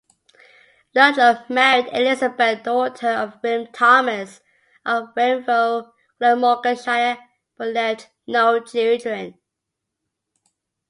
Ludlow married Elizabeth, daughter of William Thomas, of Wenvoe, Glamorganshire, but left no children.